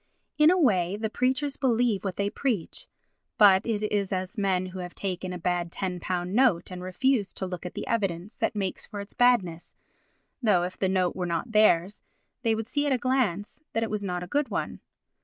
In a way the preachers believe what they preach, but it is as men who have taken a bad £10 note and refuse to look at the evidence that makes for its badness, though, if the note were not theirs, they would see at a glance that it was not a good one.